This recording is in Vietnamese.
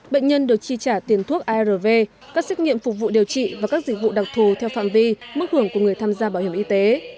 bệnh nhân được chi trả tiền thuốc arv các xét nghiệm phục vụ điều trị và các dịch vụ đặc thù theo phạm vi mức hưởng của người tham gia bảo hiểm y tế